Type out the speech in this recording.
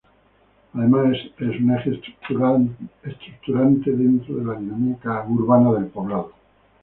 Además es un eje estructurante dentro de la dinámica urbana del Poblado.